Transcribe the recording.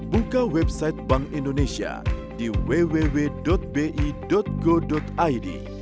buka website bank indonesia di www bi go id